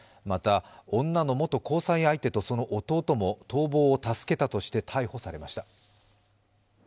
また、女の元交際相手とその弟も逃亡を助けたとして逮捕されました。